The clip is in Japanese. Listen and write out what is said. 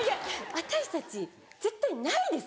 私たち絶対ないです。